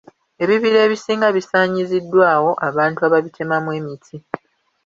Ebibira ebisinga bisaanyiziddwawo abantu ababitemamu emiti.